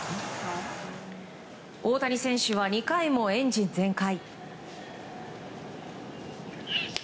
大谷選手は２回もエンジン全開。